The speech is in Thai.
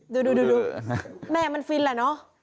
ดูแม่มันฟินแหละเนอะ